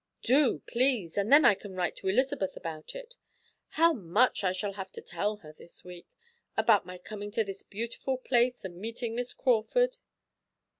"Do, please, and then I can write to Elizabeth about it. How much I shall have to tell her this week; about my coming to this beautiful place and meeting Miss Crawford."